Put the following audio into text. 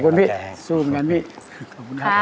ช่องดีแล้วก็กำลังใจให้